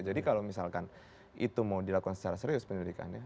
jadi kalau misalkan itu mau dilakukan secara serius penyelidikannya